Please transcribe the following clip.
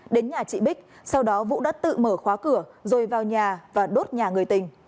đến nhà chị bích sau đó vũ đã tự mở khóa cửa rồi vào nhà và đốt nhà người tình